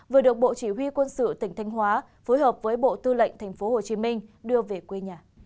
vừa được bộ chỉ huy quân sự tỉnh thanh hóa phối hợp với bộ tư lệnh tp hcm đưa về quê nhà